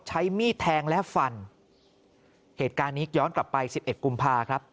ใช้มีดแทงและฟันเหตุการณ์นี้ย้อนกลับไปสิบเอ็ดกุมภาครับ